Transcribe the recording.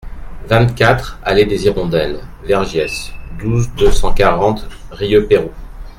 vingt-quatre allée des Hirondelles / Vergiès, douze, deux cent quarante, Rieupeyroux